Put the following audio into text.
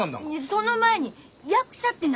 その前に役者って何！？